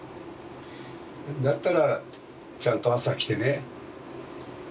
だったらちゃんと朝来てね